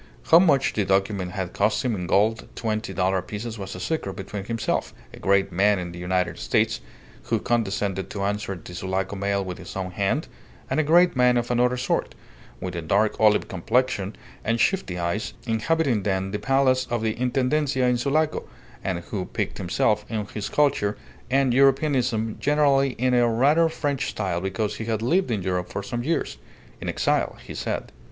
How much the document had cost him in gold twenty dollar pieces was a secret between himself, a great man in the United States (who condescended to answer the Sulaco mail with his own hand), and a great man of another sort, with a dark olive complexion and shifty eyes, inhabiting then the Palace of the Intendencia in Sulaco, and who piqued himself on his culture and Europeanism generally in a rather French style because he had lived in Europe for some years in exile, he said.